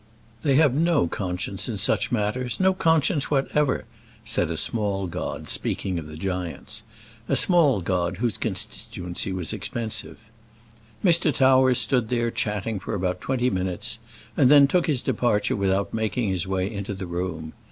"They have no conscience in such matters; no conscience whatever," said a small god, speaking of the giants, a small god, whose constituency was expensive. Mr. Towers stood there chatting for about twenty minutes, and then took his departure without making his way into the room.